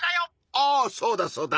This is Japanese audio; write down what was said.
あそうだそうだ